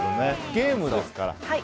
ゲームですから。